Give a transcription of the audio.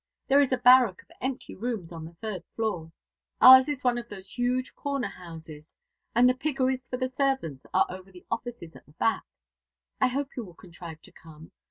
There is a barrack of empty rooms on the third floor. Ours is one of those huge corner houses, and the piggeries for the servants are over the offices at the back. I hope you will contrive to come.